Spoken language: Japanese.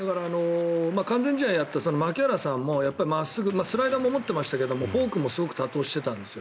完全試合をやった槙原さんも真っすぐスライダーも持ってましたがフォークもすごく多投してたんです。